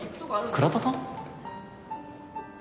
倉田さん？